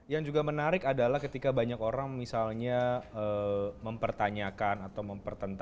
yang juga menarik adalah ketika banyak orang misalnya mempertanyakan atau mempertentangkan pancasila dengan negara pancasila dengan negara